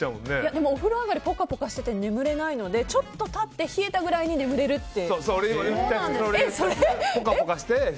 でも、お風呂上がりぽかぽかしてて眠れないのでちょっと経って冷えたくらいに眠れるっていう。